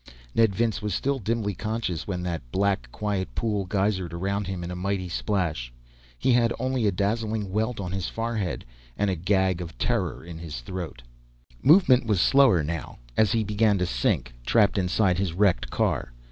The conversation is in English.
Ned Vince was still dimly conscious when that black, quiet pool geysered around him in a mighty splash. He had only a dazing welt on his forehead, and a gag of terror in his throat. Movement was slower now, as he began to sink, trapped inside his wrecked car.